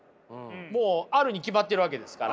もうあるに決まってるわけですから。